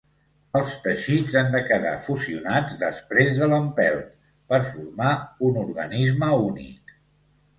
Els teixits han de quedar fusionats després de l'empelt per formar un organisme únic.